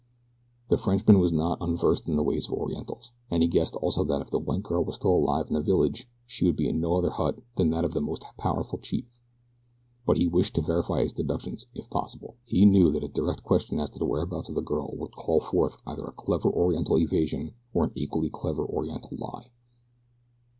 The Frenchman was not unversed in the ways of orientals, and he guessed also that if the white girl were still alive in the village she would be in no other hut than that of the most powerful chief; but he wished to verify his deductions if possible. He knew that a direct question as to the whereabouts of the girl would call forth either a clever oriental evasion or an equally clever oriental lie.